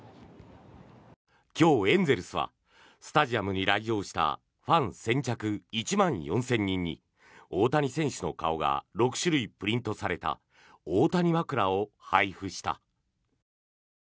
今日、エンゼルスはスタジアムに来場したファン先着１万４０００人に大谷選手の顔が６種類プリントされた大谷枕を配布した。